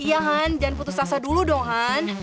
iya han jangan putus asa dulu dong